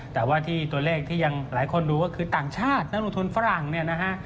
แต่ว่าที่ตัวเลขที่ยังหลายคนดูก็คือต่างชาตินักลงทุนฝรั่งเนี่ยนะฮะ